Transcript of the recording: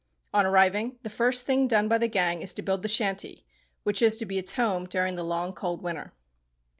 On arriving, the first thing done by the gang is to build the shanty, which is to be its home during the long, cold winter.